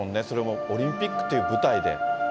それもオリンピックっていう舞台で。